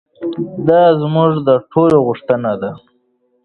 دا زموږ د ټولو غوښتنه ده.